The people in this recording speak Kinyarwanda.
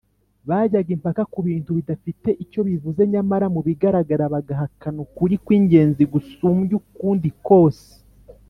bajyaga impaka ku bintu bidafite icyo bivuze nyamara, mu bigaragara, bagahakana ukuri kw’ingenzi gusumbya ukundi kose